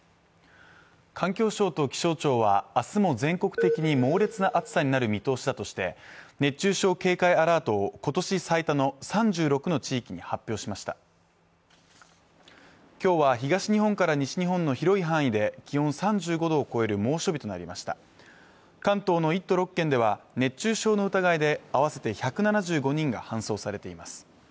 環境省と気象庁はあすも全国的に猛烈な暑さになる見通しだとして熱中症警戒アラートを今年最多の３６の地域に発表しました今日は東日本から西日本の広い範囲で気温３５度を超える猛暑日となりました関東の１都６県では熱中症の疑いで合わせて１７５人が搬送されています